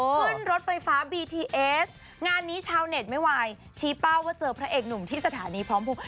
ขึ้นรถไฟฟ้าบีทีเอสงานนี้ชาวเน็ตไม่ไหวชี้เป้าว่าเจอพระเอกหนุ่มที่สถานีพร้อมภูมิภาค